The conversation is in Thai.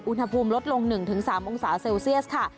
อุณหภูมิลดลง๑๓องศาเซลเซียสค่ะ